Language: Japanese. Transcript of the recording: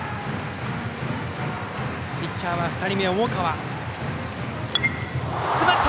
ピッチャーは２人目、重川。